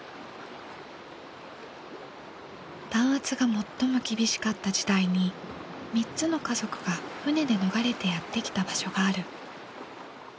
弾圧が最も厳しかった時代に３つの家族が船で逃れてやって来た場所がある。